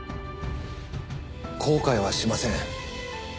後悔はしません。